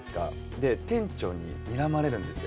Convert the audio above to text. で店長ににらまれるんですよ。